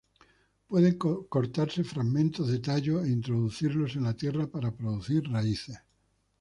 Pueden cortarse fragmentos de tallo e introducirlos en la tierra, para producir raíces.